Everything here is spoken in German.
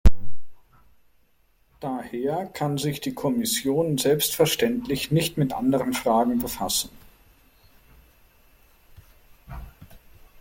Daher kann sich die Kommission selbstverständlich nicht mit anderen Fragen befassen.